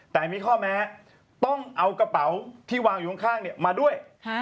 แต่มีข้อแม้ต้องเอากระเป๋าที่วางอยู่ข้างมาด้วย